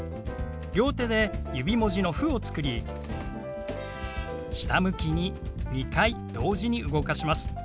両手で指文字の「フ」を作り下向きに２回同時に動かします。